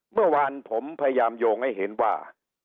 เมื่อวานผมพยายามโยงให้เห็นว่า